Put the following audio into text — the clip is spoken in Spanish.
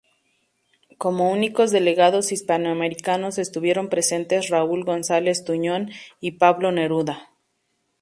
Como únicos delegados hispanoamericanos estuvieron presentes Raúl González Tuñón y Pablo Neruda.